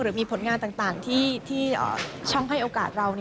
หรือมีผลงานต่างที่ช่องให้โอกาสเรา